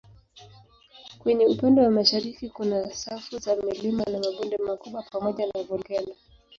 Kwenye upande wa mashariki kuna safu za milima na mabonde makubwa pamoja na volkeno.